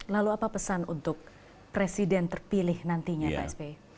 lalu apa pesan untuk presiden terpilih nantinya pak sby